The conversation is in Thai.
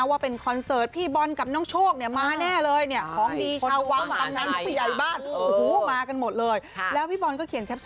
ว่าเป็นคอนเสอร์ตพี่บอลกับน้องโชคมาแน่เลย